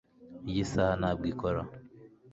iyi saha ntabwo ikora